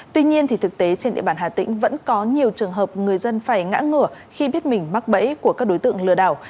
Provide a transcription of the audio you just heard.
tuy nhiên thực tế trên địa bàn hà tĩnh vẫn có nhiều trường hợp người dân phải ngã ngửa khi biết mình mắc bẫy của các đối tượng lừa đảo